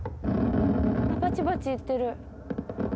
バチバチいってる。